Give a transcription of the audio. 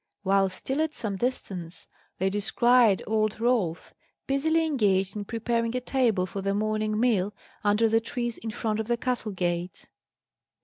While still at some distance, they descried old Rolf, busily engaged in preparing a table for the morning meal, under the trees in front of the castle gates.